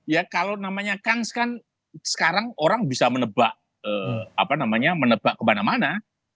ya kalau namanya kans kan sekarang orang bisa menebak kemana mana